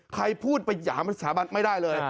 ใครพูดไปหยามสถาบันไม่ได้เลย